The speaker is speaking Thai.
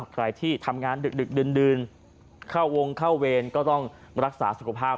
ใครที่ทำงานดึกดื่นเข้าวงเข้าเวรก็ต้องรักษาสุขภาพ